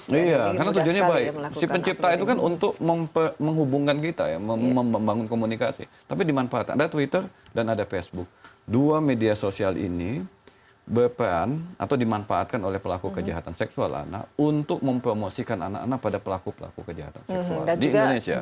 iya karena tujuannya baik si pencipta itu kan untuk menghubungkan kita ya membangun komunikasi tapi dimanfaatkan ada twitter dan ada facebook dua media sosial ini berperan atau dimanfaatkan oleh pelaku kejahatan seksual anak untuk mempromosikan anak anak pada pelaku pelaku kejahatan seksual di indonesia